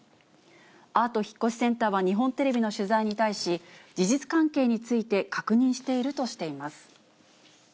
アート引越センターは日本テレビの取材に対し、事実関係について確認しているとしています。